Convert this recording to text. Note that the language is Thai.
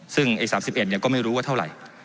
ซึ่งไอ้๓๑เนี่ยก็ไม่รู้ว่าเท่าไหร่